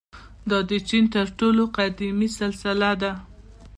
• دا د چین تر ټولو قدیمي سلسله ده.